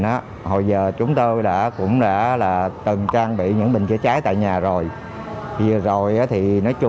đó hồi giờ chúng tôi đã cũng đã là từng trang bị những bình chữa cháy tại nhà rồi vừa rồi thì nói chung